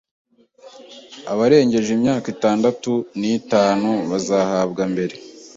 abarengeje imyaka itandatu nitanu bazahabwa mbere